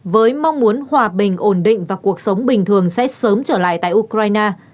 với mong muốn hòa bình ổn định và cuộc sống bình thường sẽ sớm trở lại tại ukraine